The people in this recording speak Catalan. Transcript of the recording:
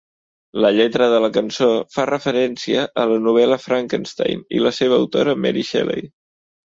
La lletra de la cançó fa referència a la novel·la "Frankenstein" i la seva autora Mary Shelley.